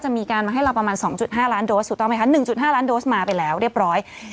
มีการมาให้เราประมาณ๒๕ล้านโดสถูกต้องไหมคะ๑๕ล้านโดสมาไปแล้วเรียบร้อย